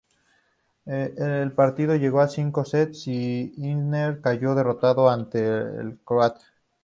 El partido llegó a cinco sets, y Isner cayó derrotado ante el croata.